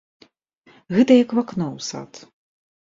Гэта як вакно ў сад.